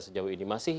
sejauh ini masih